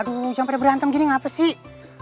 aduh jangan pada berantem gini ngapasih